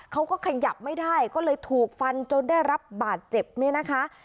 เขาก็ขยับไม่ได้ก็เลยถูกฟันจนได้รับบาดเจ็บเนี่ยนะคะ